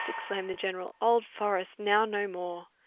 exclaimed the general; "Old Forest, now no more!